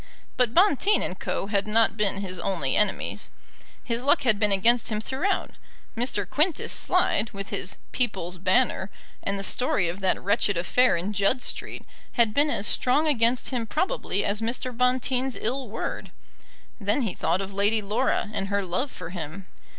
But Bonteen and Co. had not been his only enemies. His luck had been against him throughout. Mr. Quintus Slide, with his People's Banner, and the story of that wretched affair in Judd Street, had been as strong against him probably as Mr. Bonteen's ill word. Then he thought of Lady Laura, and her love for him.